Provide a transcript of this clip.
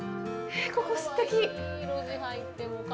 えっ、ここ、すてき！